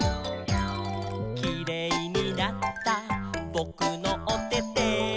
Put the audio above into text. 「キレイになったぼくのおてて」